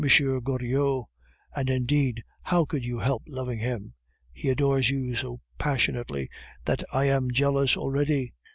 Goriot. And, indeed, how could you help loving him? He adores you so passionately that I am jealous already.